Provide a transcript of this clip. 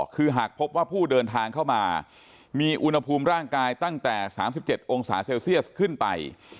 คือหากพบว่าผู้เดินทางเข้ามามีอุณหภูมิร่างกายตั้งแต่๓๗องศาเซลเซียสขึ้นไป